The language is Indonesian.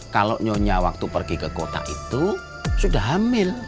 kalau nyonya waktu pergi ke kota itu sudah hamil